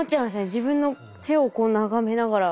自分の手をこう眺めながら。